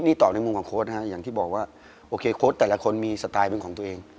นี่ตอบในมุมของโค้ดฮะอย่างที่บอกว่าโอเคโค้ดแต่ละคนมีสไตล์เป็นของตัวเอง